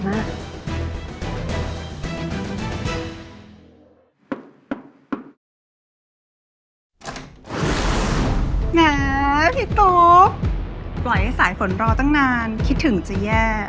แหมพี่ตุ๊กปล่อยให้สายฝนรอตั้งนานคิดถึงจะแย่